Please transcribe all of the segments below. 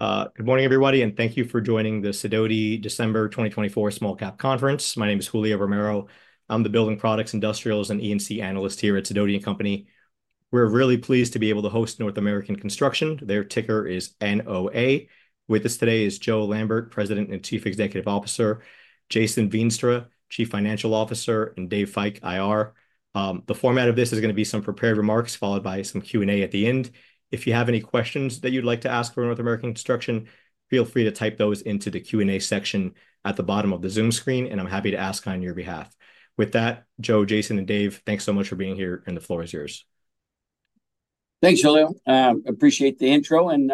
Good morning, everybody, and thank you for joining the Sidoti December 2024 Small Cap Conference. My name is Julio Romero. I'm the Building Products, Industrials and E&C Analyst here at Sidoti & Company. We're really pleased to be able to host North American Construction. Their ticker is NOA. With us today is Joe Lambert, President and Chief Executive Officer, Jason Veenstra, Chief Financial Officer, and Dave Fike, IR. The format of this is going to be some prepared remarks followed by some Q&A at the end. If you have any questions that you'd like to ask for North American Construction, feel free to type those into the Q&A section at the bottom of the Zoom screen, and I'm happy to ask on your behalf. With that, Joe, Jason, and Dave, thanks so much for being here, and the floor is yours. Thanks, Julio. I appreciate the intro, and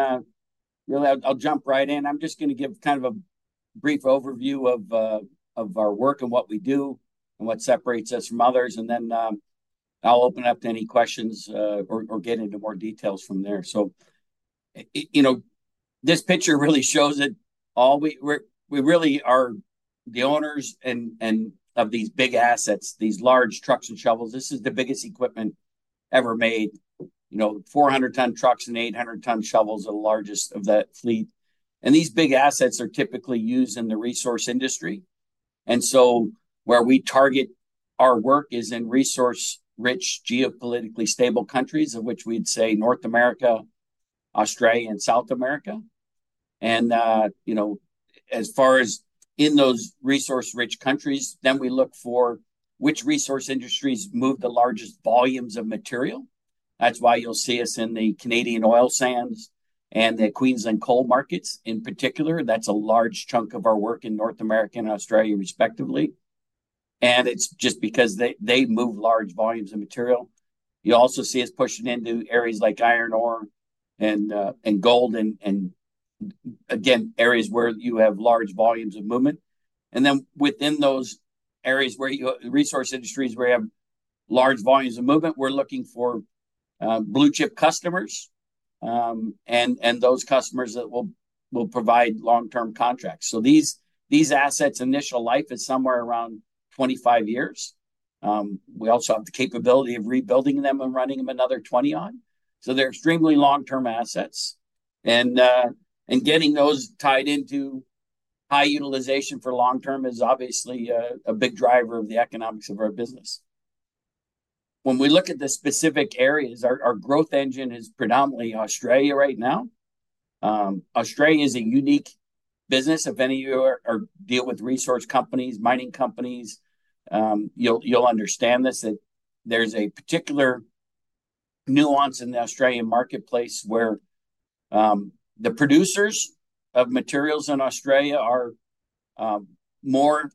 really, I'll jump right in. I'm just going to give kind of a brief overview of our work and what we do and what separates us from others, and then I'll open it up to any questions or get into more details from there, so you know, this picture really shows it all. We really are the owners of these big assets, these large trucks and shovels. This is the biggest equipment ever made. You know, 400-ton trucks and 800-ton shovels are the largest of that fleet, and these big assets are typically used in the resource industry, and so where we target our work is in resource-rich, geopolitically stable countries, of which we'd say North America, Australia, and South America. And, you know, as far as in those resource-rich countries, then we look for which resource industries move the largest volumes of material. That's why you'll see us in the Canadian oil sands and the Queensland coal markets in particular. That's a large chunk of our work in North America and Australia, respectively. And it's just because they move large volumes of material. You also see us pushing into areas like iron ore and gold and, again, areas where you have large volumes of movement. And then within those areas where you have resource industries where you have large volumes of movement, we're looking for blue-chip customers and those customers that will provide long-term contracts. So these assets' initial life is somewhere around 25 years. We also have the capability of rebuilding them and running them another 20 on. So they're extremely long-term assets. Getting those tied into high utilization for long-term is obviously a big driver of the economics of our business. When we look at the specific areas, our growth engine is predominantly Australia right now. Australia is a unique business. If any of you deal with resource companies, mining companies, you'll understand this, that there's a particular nuance in the Australian marketplace where the producers of materials in Australia are more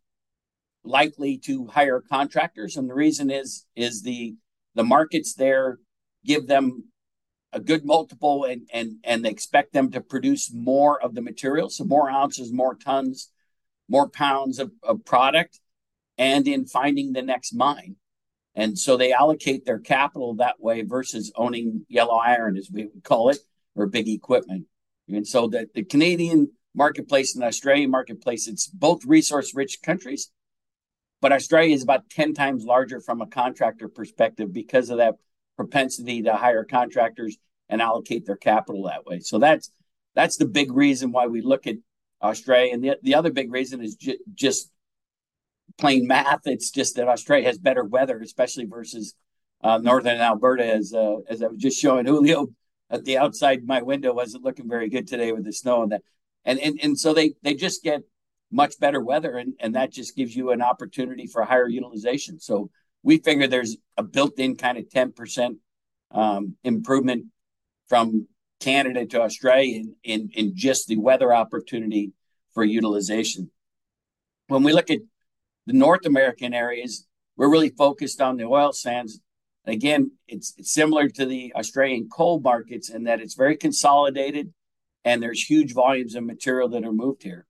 likely to hire contractors. The reason is the markets there give them a good multiple and expect them to produce more of the material, so more ounces, more tons, more pounds of product, and in finding the next mine. They allocate their capital that way versus owning yellow iron, as we would call it, or big equipment. And so the Canadian marketplace and the Australian marketplace, it's both resource-rich countries, but Australia is about 10 times larger from a contractor perspective because of that propensity to hire contractors and allocate their capital that way. So that's the big reason why we look at Australia. And the other big reason is just plain math. It's just that Australia has better weather, especially versus Northern Alberta, as I was just showing Julio at the outside my window. Wasn't looking very good today with the snow and that. And so they just get much better weather, and that just gives you an opportunity for higher utilization. So we figure there's a built-in kind of 10% improvement from Canada to Australia in just the weather opportunity for utilization. When we look at the North American areas, we're really focused on the oil sands. Again, it's similar to the Australian coal markets in that it's very consolidated, and there's huge volumes of material that are moved here.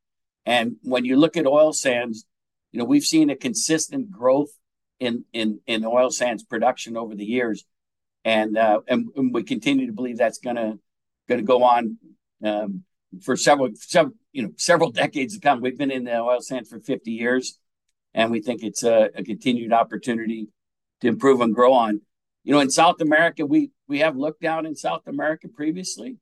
And when you look at oil sands, you know, we've seen a consistent growth in oil sands production over the years, and we continue to believe that's going to go on for several decades to come. We've been in the oil sands for 50 years, and we think it's a continued opportunity to improve and grow on. You know, in South America, we have looked down in South America previously.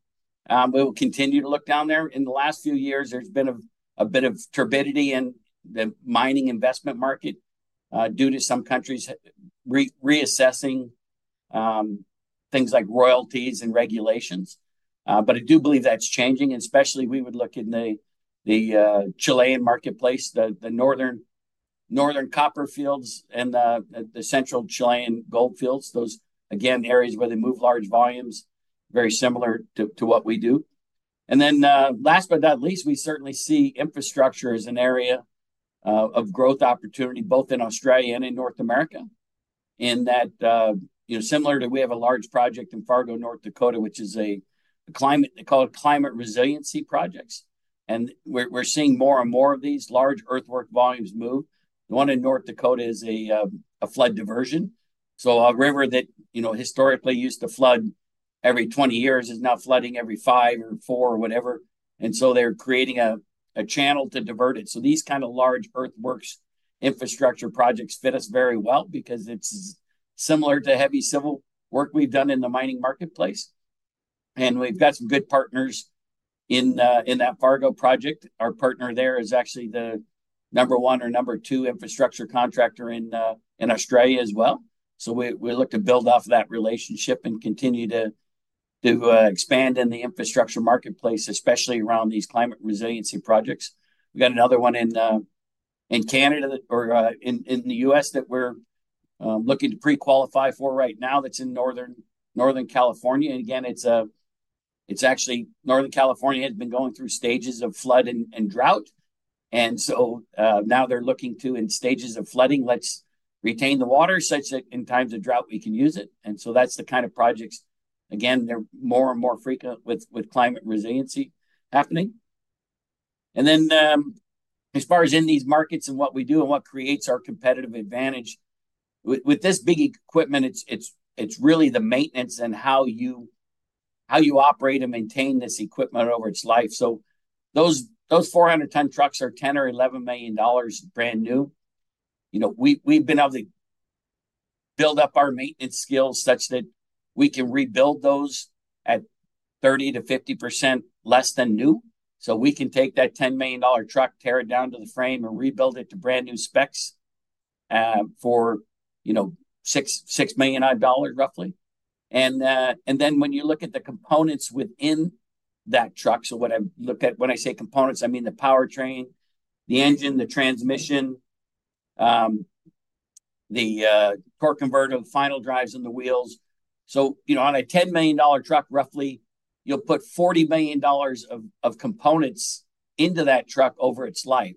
We will continue to look down there. In the last few years, there's been a bit of turbidity in the mining investment market due to some countries reassessing things like royalties and regulations. But I do believe that's changing, and especially we would look in the Chilean marketplace, the northern copper fields and the central Chilean gold fields, those, again, areas where they move large volumes, very similar to what we do and then last but not least, we certainly see infrastructure as an area of growth opportunity both in Australia and in North America. In that, you know, similar to we have a large project in Fargo, North Dakota, which is a climate they call it climate resiliency projects, and we're seeing more and more of these large earthwork volumes move. The one in North Dakota is a flood diversion, so a river that, you know, historically used to flood every twenty years is now flooding every five or four or whatever, and so they're creating a channel to divert it. So these kind of large earthworks infrastructure projects fit us very well because it's similar to heavy civil work we've done in the mining marketplace. And we've got some good partners in that Fargo project. Our partner there is actually the number one or number two infrastructure contractor in Australia as well. So we look to build off that relationship and continue to expand in the infrastructure marketplace, especially around these climate resiliency projects. We've got another one in Canada or in the U.S. that we're looking to pre-qualify for right now that's in Northern California. And again, it's actually Northern California has been going through stages of flood and drought. And so now they're looking to, in stages of flooding, let's retain the water such that in times of drought we can use it. So that's the kind of projects, again. They're more and more frequent with climate resiliency happening. Then as far as in these markets and what we do and what creates our competitive advantage, with this big equipment, it's really the maintenance and how you operate and maintain this equipment over its life. Those 400-ton trucks are 10 or 11 million brand new. You know, we've been able to build up our maintenance skills such that we can rebuild those at 30%-50% less than new. So we can take that 10 million dollar truck, tear it down to the frame, and rebuild it to brand new specs for, you know, 6 million dollars roughly. And then when you look at the components within that truck, so when I say components, I mean the powertrain, the engine, the transmission, the torque converter, the final drives in the wheels. So, you know, on a 10 million dollar truck roughly, you'll put 40 million dollars of components into that truck over its life.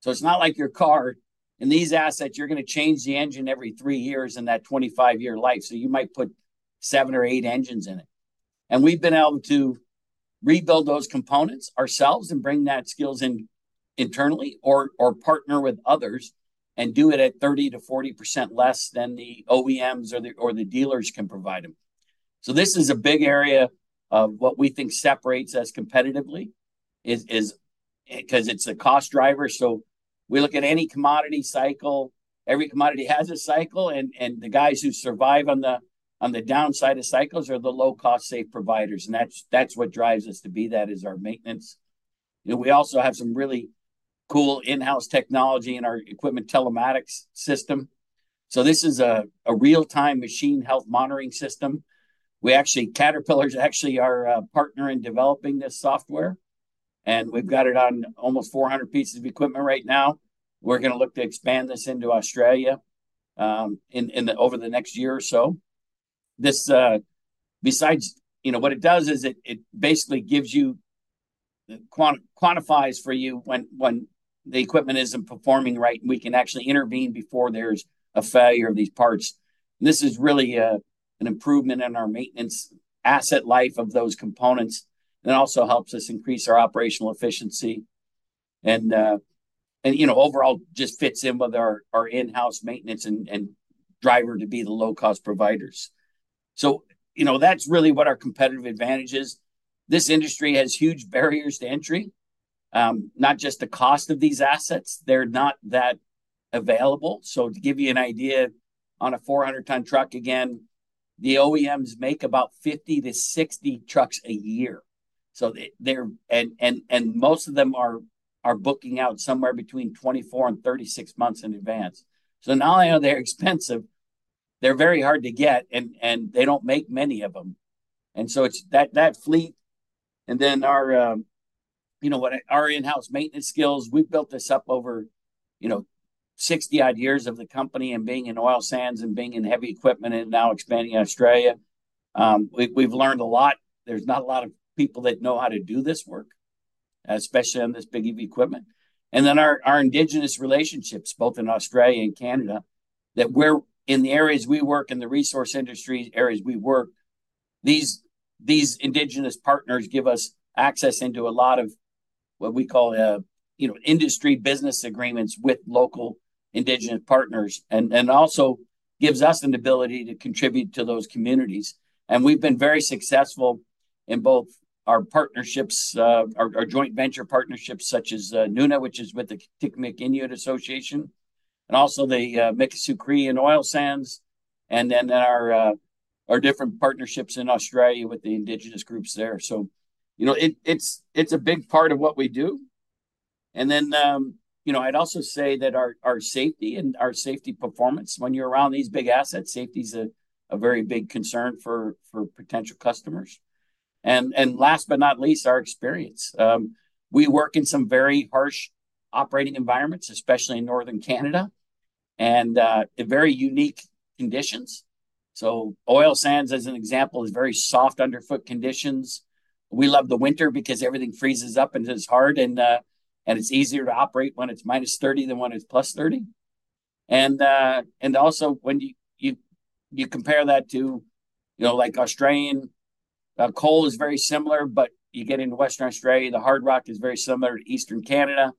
So it's not like your car. In these assets, you're going to change the engine every three years in that 25-year life. So you might put seven or eight engines in it. And we've been able to rebuild those components ourselves and bring that skills in internally or partner with others and do it at 30%-40% less than the OEMs or the dealers can provide them. So this is a big area of what we think separates us competitively because it's a cost driver. So we look at any commodity cycle. Every commodity has a cycle, and the guys who survive on the downside of cycles are the low-cost safe providers. And that's what drives us to be that is our maintenance. And we also have some really cool in-house technology in our equipment telematics system. So this is a real-time machine health monitoring system. We actually, Caterpillar is actually our partner in developing this software. And we've got it on almost 400 pieces of equipment right now. We're going to look to expand this into Australia over the next year or so. Besides, you know, what it does is it basically gives you quantifies for you when the equipment isn't performing right, and we can actually intervene before there's a failure of these parts. This is really an improvement in our maintenance asset life of those components. And it also helps us increase our operational efficiency. And, you know, overall just fits in with our in-house maintenance and driver to be the low-cost providers. So, you know, that's really what our competitive advantage is. This industry has huge barriers to entry, not just the cost of these assets. They're not that available. So to give you an idea, on a 400-ton truck, again, the OEMs make about 50-60 trucks a year. So they're and most of them are booking out somewhere between 24 and 36 months in advance. So not only are they expensive, they're very hard to get, and they don't make many of them. And so it's that fleet. And then our, you know, our in-house maintenance skills we've built this up over, you know, 60-odd years of the company and being in oil sands and being in heavy equipment and now expanding in Australia. We've learned a lot. There's not a lot of people that know how to do this work, especially on this big of equipment. And then our indigenous relationships, both in Australia and Canada, that we're in the areas we work in the resource industry areas we work. These indigenous partners give us access into a lot of what we call, you know, industry business agreements with local indigenous partners and also gives us an ability to contribute to those communities. And we've been very successful in both our partnerships, our joint venture partnerships such as Nuna, which is with the Kitikmeot Inuit Association, and also the Mikisew and oil sands, and then our different partnerships in Australia with the indigenous groups there. So, you know, it's a big part of what we do. And then, you know, I'd also say that our safety and our safety performance when you're around these big assets, safety is a very big concern for potential customers. And last but not least, our experience. We work in some very harsh operating environments, especially in Northern Canada and very unique conditions. So oil sands, as an example, is very soft underfoot conditions. We love the winter because everything freezes up and it's hard, and it's easier to operate when it's minus 30 than when it's plus 30. And also when you compare that to, you know, like Australian coal is very similar, but you get into Western Australia, the hard rock is very similar to Eastern Canada.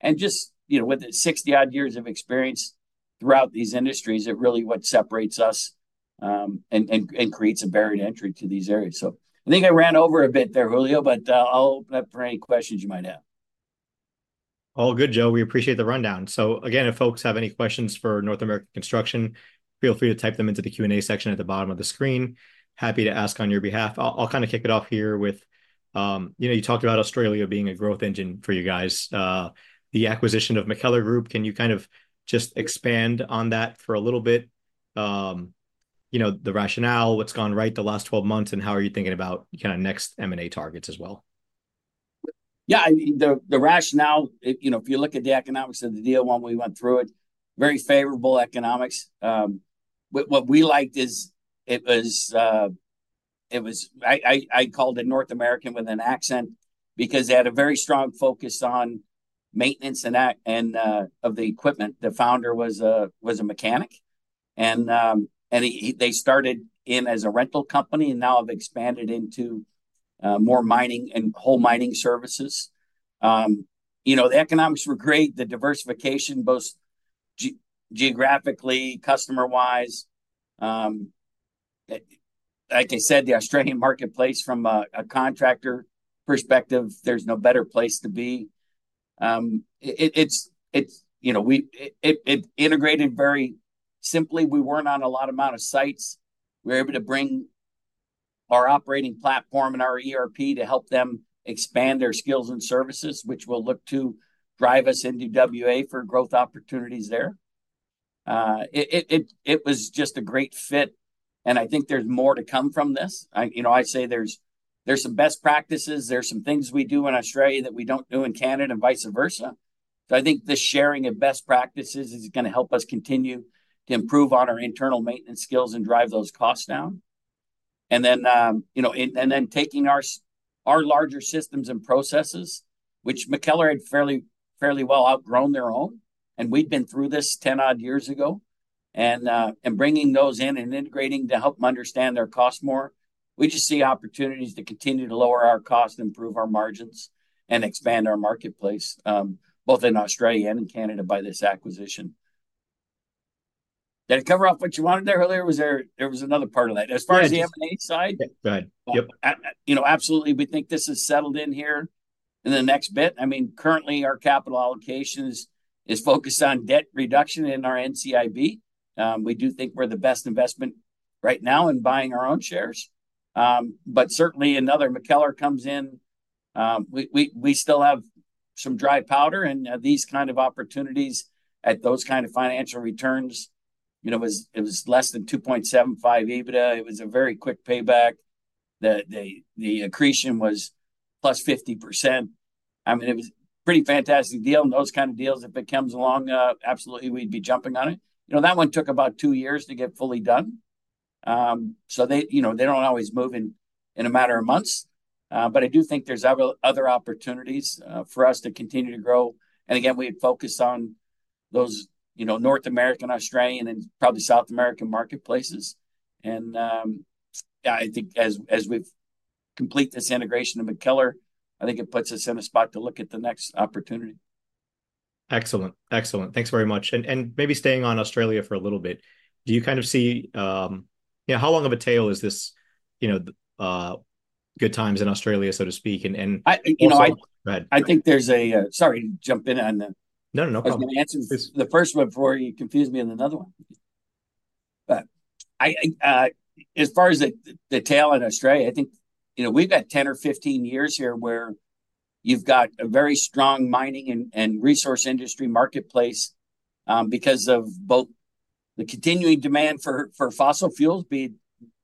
And just, you know, with 60-odd years of experience throughout these industries, it really what separates us and creates a barrier to entry to these areas. So I think I ran over a bit there, Julio, but I'll open up for any questions you might have. All good, Joe. We appreciate the rundown. So again, if folks have any questions for North American Construction, feel free to type them into the Q&A section at the bottom of the screen. Happy to ask on your behalf. I'll kind of kick it off here with, you know, you talked about Australia being a growth engine for you guys. The acquisition of MacKellar Group, can you kind of just expand on that for a little bit? You know, the rationale, what's gone right the last 12 months, and how are you thinking about kind of next M&A targets as well? Yeah, the rationale, you know, if you look at the economics of the deal when we went through it, very favorable economics. What we liked is it was, it was, I called it North American with an accent because they had a very strong focus on maintenance and of the equipment. The founder was a mechanic. And they started in as a rental company and now have expanded into more mining and coal mining services. You know, the economics were great, the diversification both geographically, customer-wise. Like I said, the Australian marketplace from a contractor perspective, there's no better place to be. It's, you know, it integrated very simply. We weren't on a lot of amount of sites. We were able to bring our operating platform and our ERP to help them expand their skills and services, which will look to drive us into WA for growth opportunities there. It was just a great fit, and I think there's more to come from this. You know, I say there's some best practices. There's some things we do in Australia that we don't do in Canada and vice versa, so I think the sharing of best practices is going to help us continue to improve on our internal maintenance skills and drive those costs down. And then, you know, and then taking our larger systems and processes, which MacKellar had fairly well outgrown their own, and we'd been through this 10-odd years ago, and bringing those in and integrating to help them understand their costs more, we just see opportunities to continue to lower our costs, improve our margins, and expand our marketplace both in Australia and in Canada by this acquisition. Did I cover off what you wanted there earlier? There was another part of that. As far as the M&A side, you know, absolutely, we think this is settled in here in the next bit. I mean, currently, our capital allocation is focused on debt reduction in our NCIB. We do think we're the best investment right now in buying our own shares. But certainly, another MacKellar comes in. We still have some dry powder, and these kind of opportunities at those kind of financial returns, you know, it was less than 2.75 EBITDA. It was a very quick payback. The accretion was plus 50%. I mean, it was a pretty fantastic deal. And those kind of deals, if it comes along, absolutely, we'd be jumping on it. You know, that one took about two years to get fully done. So they, you know, they don't always move in a matter of months. But I do think there's other opportunities for us to continue to grow. And again, we had focused on those, you know, North American, Australian, and probably South American marketplaces. And yeah, I think as we complete this integration of MacKellar, I think it puts us in a spot to look at the next opportunity. Excellent. Excellent. Thanks very much. And maybe staying on Australia for a little bit, do you kind of see, you know, how long of a tail is this, you know, good times in Australia, so to speak? And you know, I think there's a, sorry to jump in on the, no, no, no problem. I was going to answer the first one before you confused me in another one. But as far as the tail in Australia, I think, you know, we've got 10 or 15 years here where you've got a very strong mining and resource industry marketplace because of both the continuing demand for fossil fuels, be it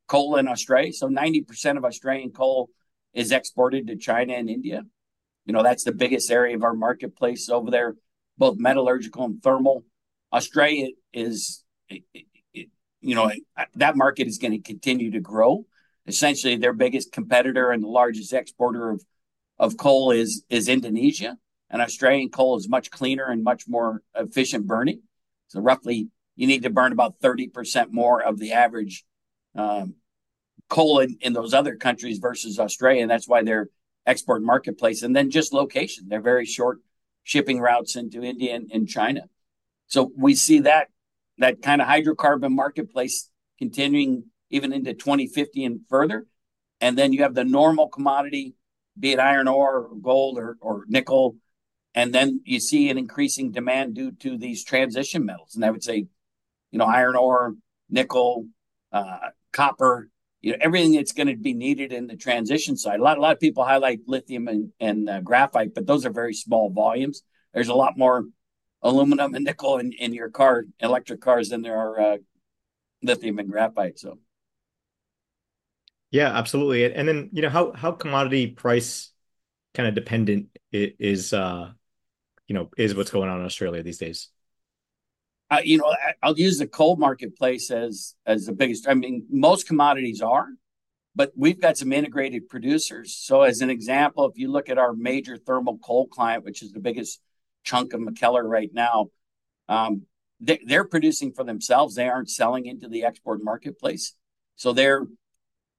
coal in Australia. So 90% of Australian coal is exported to China and India. You know, that's the biggest area of our marketplace over there, both metallurgical and thermal. Australia is, you know, that market is going to continue to grow. Essentially, their biggest competitor and the largest exporter of coal is Indonesia. And Australian coal is much cleaner and much more efficient burning. So roughly, you need to burn about 30% more of the average coal in those other countries versus Australia. And that's why their export marketplace. And then just location. They're very short shipping routes into India and China. So we see that kind of hydrocarbon marketplace continuing even into 2050 and further. And then you have the normal commodity, be it iron ore or gold or nickel. And then you see an increasing demand due to these transition metals. And I would say, you know, iron ore, nickel, copper, you know, everything that's going to be needed in the transition side. A lot of people highlight lithium and graphite, but those are very small volumes. There's a lot more aluminum and nickel in your car, electric cars than there are lithium and graphite, so. Yeah, absolutely. And then, you know, how commodity price kind of dependent is, you know, is what's going on in Australia these days? You know, I'll use the coal marketplace as the biggest. I mean, most commodities are, but we've got some integrated producers. So as an example, if you look at our major thermal coal client, which is the biggest chunk of MacKellar right now, they're producing for themselves. They aren't selling into the export marketplace. So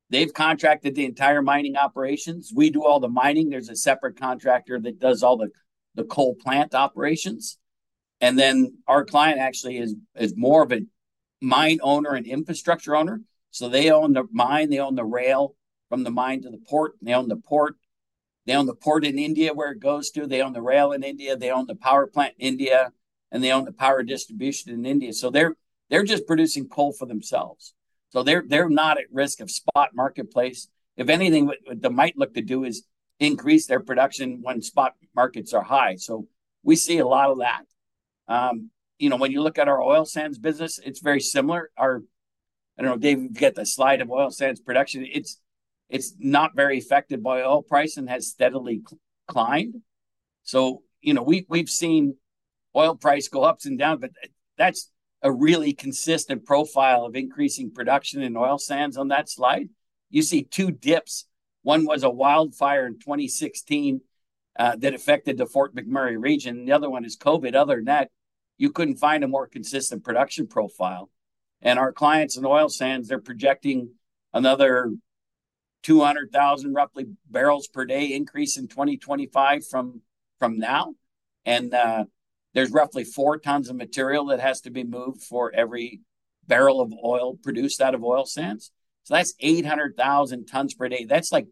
they've contracted the entire mining operations. We do all the mining. There's a separate contractor that does all the coal plant operations. And then our client actually is more of a mine owner and infrastructure owner. So they own the mine. They own the rail from the mine to the port. They own the port. They own the port in India where it goes to. They own the rail in India. They own the power plant in India. And they own the power distribution in India. So they're just producing coal for themselves. So they're not at risk of spot marketplace. If anything, what they might look to do is increase their production when spot markets are high. So we see a lot of that. You know, when you look at our oil sands business, it's very similar. I don't know if Dave got the slide of oil sands production. It's not very affected by oil price and has steadily climbed. So, you know, we've seen oil price go up and down, but that's a really consistent profile of increasing production in oil sands on that slide. You see two dips. One was a wildfire in 2016 that affected the Fort McMurray region. The other one is COVID. Other than that, you couldn't find a more consistent production profile. And our clients in oil sands, they're projecting another 200,000 roughly barrels per day increase in 2025 from now. And there's roughly four tons of material that has to be moved for every barrel of oil produced out of oil sands. So that's 800,000 tons per day. That's like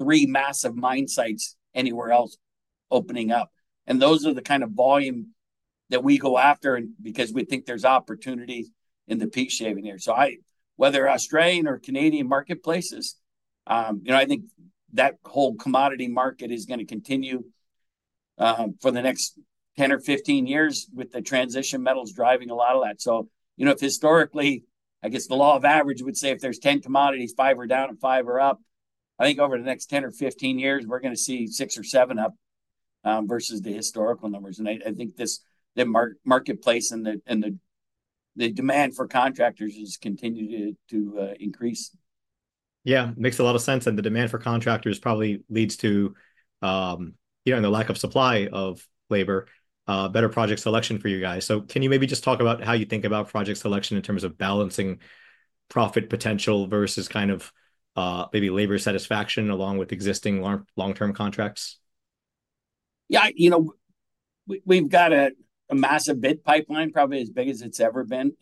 three massive mine sites anywhere else opening up. And those are the kind of volume that we go after because we think there's opportunity in the peak shaving there. So whether Australian or Canadian marketplaces, you know, I think that whole commodity market is going to continue for the next 10 or 15 years with the transition metals driving a lot of that. So, you know, if historically, I guess the law of average would say if there's 10 commodities, five are down and five are up. I think over the next 10 or 15 years, we're going to see six or seven up versus the historical numbers. And I think this marketplace and the demand for contractors is continuing to increase. Yeah, makes a lot of sense. And the demand for contractors probably leads to, you know, the lack of supply of labor, better project selection for you guys. So can you maybe just talk about how you think about project selection in terms of balancing profit potential versus kind of maybe labor satisfaction along with existing long-term contracts? Yeah, you know, we've got a massive bid pipeline, probably as big as it's ever been.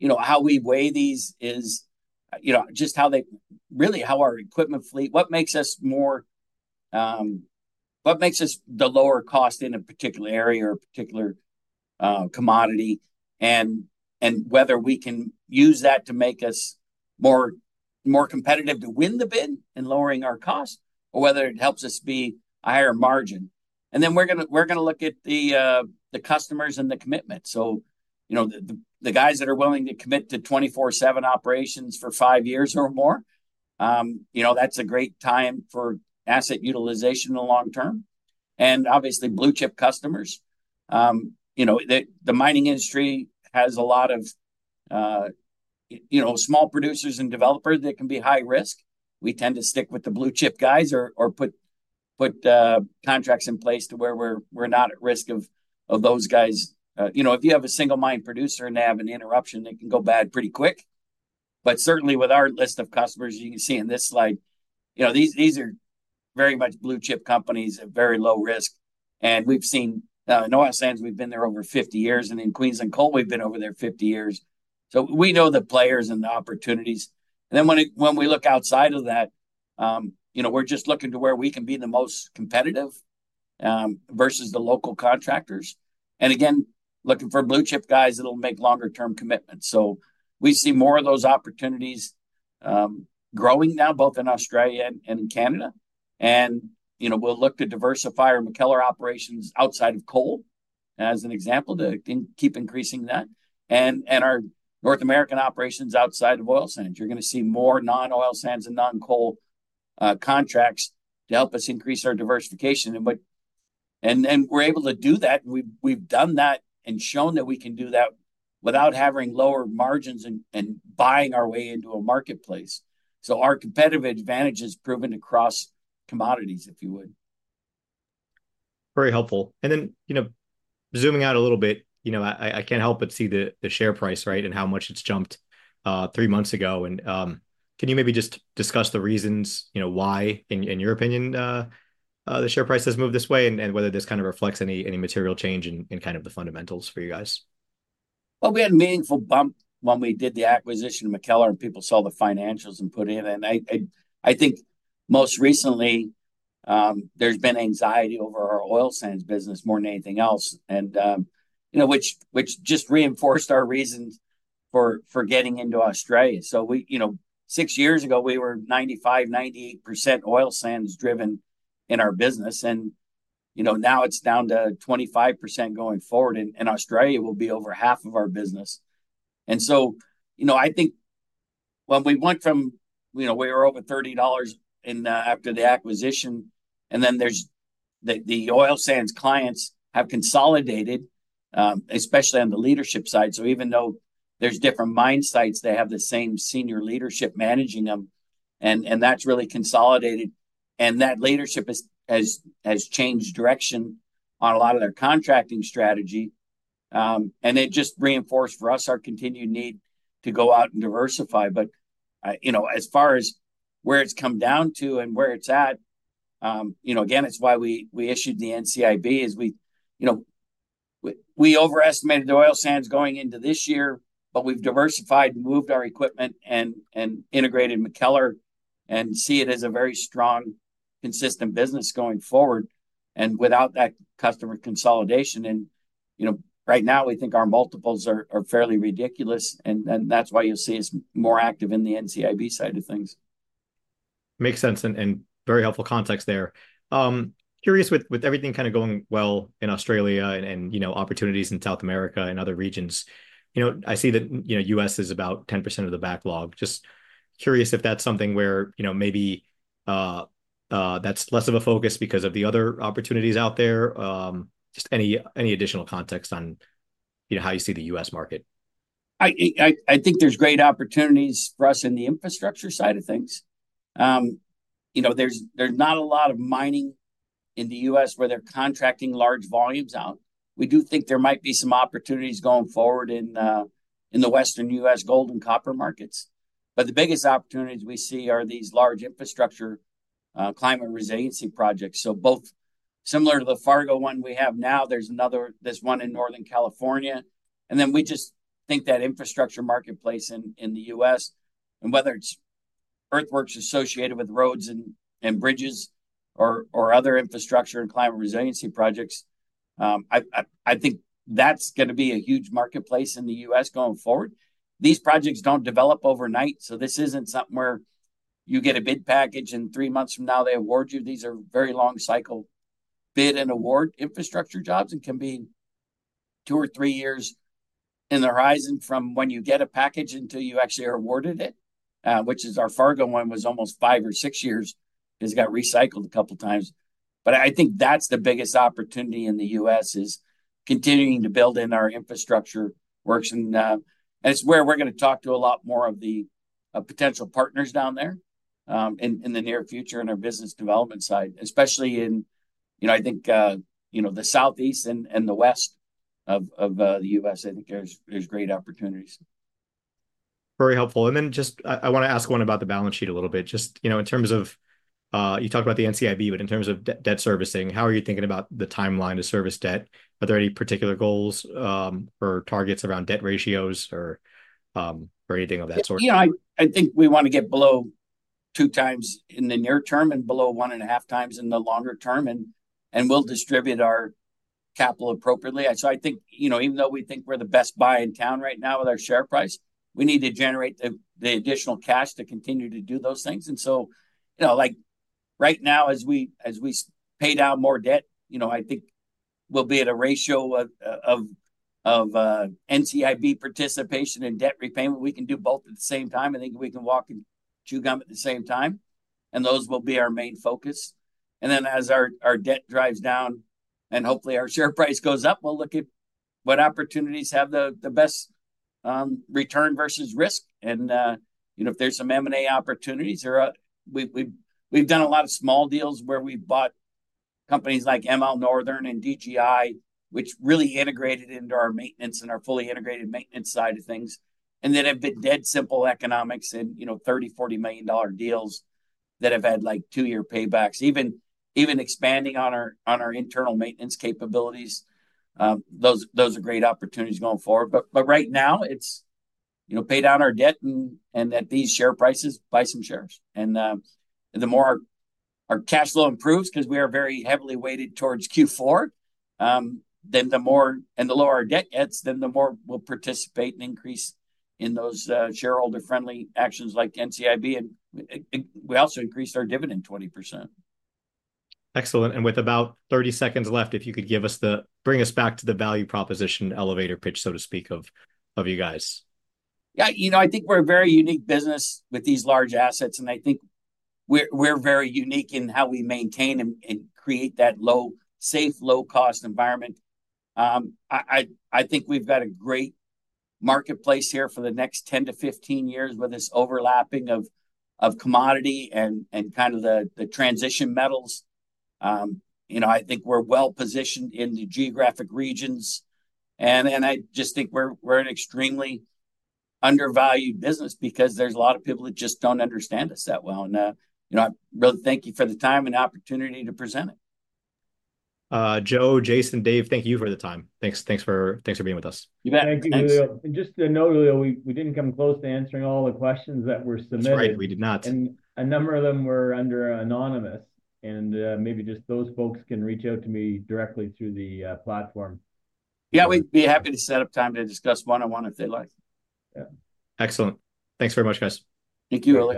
You know, how we weigh these is, you know, just how they really our equipment fleet, what makes us more, what makes us the lower cost in a particular area or a particular commodity and whether we can use that to make us more competitive to win the bid and lowering our cost or whether it helps us be a higher margin. We're going to look at the customers and the commitment. You know, the guys that are willing to commit to 24/7 operations for five years or more, you know, that's a great time for asset utilization in the long term. Obviously, blue-chip customers, you know, the mining industry has a lot of, you know, small producers and developers that can be high risk. We tend to stick with the blue-chip guys or put contracts in place to where we're not at risk of those guys. You know, if you have a single mine producer and they have an interruption, it can go bad pretty quick, but certainly with our list of customers, you can see in this slide, you know, these are very much blue-chip companies at very low risk, and we've seen in oil sands, we've been there over 50 years, and in Queensland coal, we've been over there 50 years, so we know the players and the opportunities, and then when we look outside of that, you know, we're just looking to where we can be the most competitive versus the local contractors, and again, looking for blue-chip guys that'll make longer-term commitments, so we see more of those opportunities growing now, both in Australia and in Canada. You know, we'll look to diversify our MacKellar operations outside of coal as an example to keep increasing that. Our North American operations outside of oil sands, you're going to see more non-oil sands and non-coal contracts to help us increase our diversification. We're able to do that. We've done that and shown that we can do that without having lower margins and buying our way into a marketplace. Our competitive advantage is proven across commodities, if you would. Very helpful. Then, you know, zooming out a little bit, you know, I can't help but see the share price, right, and how much it's jumped three months ago. Can you maybe just discuss the reasons, you know, why, in your opinion, the share price has moved this way and whether this kind of reflects any material change in kind of the fundamentals for you guys? We had a meaningful bump when we did the acquisition of MacKellar and people saw the financials and put in. I think most recently, there's been anxiety over our oil sands business more than anything else. You know, which just reinforced our reasons for getting into Australia. We, you know, six years ago, were 95%-98% oil sands driven in our business. You know, now it's down to 25% going forward. Australia will be over half of our business. You know, I think when we went from, you know, we were over 30 dollars after the acquisition. And then there's the oil sands clients have consolidated, especially on the leadership side. So even though there's different mine sites, they have the same senior leadership managing them. And that's really consolidated. And that leadership has changed direction on a lot of their contracting strategy. And it just reinforced for us our continued need to go out and diversify. But, you know, as far as where it's come down to and where it's at, you know, again, it's why we issued the NCIB is we, you know, we overestimated the oil sands going into this year, but we've diversified and moved our equipment and integrated MacKellar and see it as a very strong, consistent business going forward and without that customer consolidation. And, you know, right now, we think our multiples are fairly ridiculous. And that's why you'll see us more active in the NCIB side of things. Makes sense and very helpful context there. Curious with everything kind of going well in Australia and, you know, opportunities in South America and other regions. You know, I see that, you know, U.S. is about 10% of the backlog. Just curious if that's something where, you know, maybe that's less of a focus because of the other opportunities out there. Just any additional context on, you know, how you see the U.S. market? I think there's great opportunities for us in the infrastructure side of things. You know, there's not a lot of mining in the U.S. where they're contracting large volumes out. We do think there might be some opportunities going forward in the Western U.S. gold and copper markets. But the biggest opportunities we see are these large infrastructure climate resiliency projects. So both similar to the Fargo one we have now, there's another. There's one in Northern California. And then we just think that infrastructure marketplace in the U.S. and whether it's earthworks associated with roads and bridges or other infrastructure and climate resiliency projects, I think that's going to be a huge marketplace in the U.S. going forward. These projects don't develop overnight. So this isn't something where you get a bid package and three months from now they award you. These are very long-cycle bid and award infrastructure jobs and can be two or three years in the horizon from when you get a package until you actually are awarded it, which is our Fargo one was almost five or six years. It's got recycled a couple of times. But I think that's the biggest opportunity in the U.S. is continuing to build in our infrastructure works. It's where we're going to talk to a lot more of the potential partners down there in the near future in our business development side, especially in, you know, I think, you know, the Southeast and the West of the U.S. I think there's great opportunities. Very helpful. Then just I want to ask one about the balance sheet a little bit. Just, you know, in terms of you talked about the NCIB, but in terms of debt servicing, how are you thinking about the timeline to service debt? Are there any particular goals or targets around debt ratios or anything of that sort? Yeah, I think we want to get below two times in the near term and below one and a half times in the longer term. We'll distribute our capital appropriately. So I think, you know, even though we think we're the best buy in town right now with our share price, we need to generate the additional cash to continue to do those things. And so, you know, like right now, as we pay down more debt, you know, I think we'll be at a ratio of NCIB participation and debt repayment. We can do both at the same time. I think we can walk and chew gum at the same time. And those will be our main focus. And then as our debt draws down and hopefully our share price goes up, we'll look at what opportunities have the best return versus risk. You know, if there's some M&A opportunities, we've done a lot of small deals where we've bought companies like ML Northern and DGI, which really integrated into our maintenance and our fully integrated maintenance side of things. And they have been dead simple economics and, you know, 30-40 million dollar deals that have had like two-year paybacks. Even expanding on our internal maintenance capabilities, those are great opportunities going forward. But right now, it's, you know, pay down our debt and at these share prices, buy some shares. And the more our cash flow improves, because we are very heavily weighted towards Q4, then the more and the lower our debt gets, then the more we'll participate and increase in those shareholder-friendly actions like NCIB. And we also increased our dividend 20%. Excellent. With about 30 seconds left, if you could give us, bring us back to the value proposition elevator pitch, so to speak, of you guys. Yeah, you know, I think we're a very unique business with these large assets. I think we're very unique in how we maintain and create that safe, low-cost environment. I think we've got a great marketplace here for the next 10-15 years with this overlapping of commodity and kind of the transition metals. You know, I think we're well positioned in the geographic regions. I just think we're an extremely undervalued business because there's a lot of people that just don't understand us that well. You know, I really thank you for the time and opportunity to present it. Joe, Jason, Dave, thank you for the time. Thanks for being with us. Thank you, Julio. And just to note, Julio, we didn't come close to answering all the questions that were submitted. That's right. We did not. And a number of them were under anonymous. And maybe just those folks can reach out to me directly through the platform. Yeah, we'd be happy to set up time to discuss one-on-one if they'd like. Yeah. Excellent. Thanks very much, guys. Thank you.